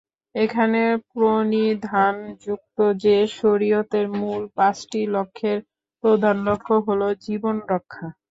এখানে প্রণিধানযোগ্য যে, শরিয়তের মূল পাঁচটি লক্ষ্যের প্রধান লক্ষ্য হলো জীবন রক্ষা।